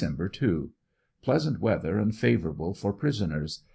2 — Pleasant weather and favorable for prisoners.